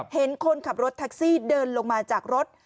เห็นคนขับรถแท็กซี่เดินลงมาจากรถ